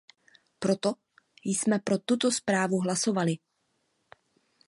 Proto jsme pro tuto zprávu hlasovali.